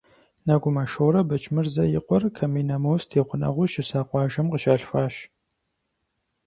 Нэгумэ Шорэ Бэчмырзэ и къуэр Каменномост и гъунэгъуу щыса къуажэм къыщалъхуащ.